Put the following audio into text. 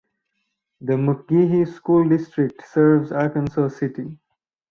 The McGehee School District serves Arkansas City.